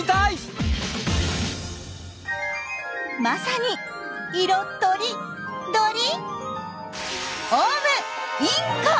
まさに色とり鳥？